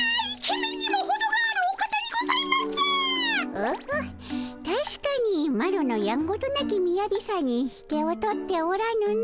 オホッたしかにマロのやんごとなき雅さに引けを取っておらぬの。